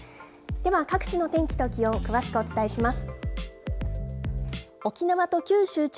では各地の天気と気温、詳しくお伝えします。